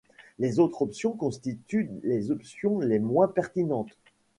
Les autres options constituent les options les moins pertinentes.